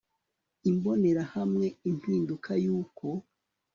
imbonerahamwe impinduka y uko